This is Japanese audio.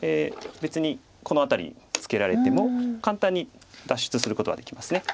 別にこの辺りにツケられても簡単に脱出することができます。